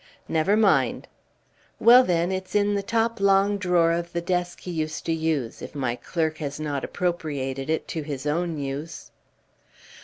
"Never mind!" "Well, then, it's in the top long drawer of the desk he used to use if my clerk has not appropriated it to his own use."